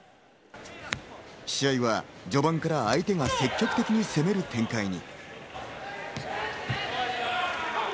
試合は序盤から相手が積極的に攻める展開に。